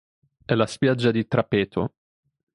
È la spiaggia di Trappeto.